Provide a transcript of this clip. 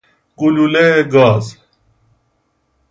گلوله گاز